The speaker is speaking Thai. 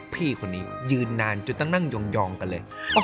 พี่คนนี้ยืนนานจนต้องนั่งยองกันเลย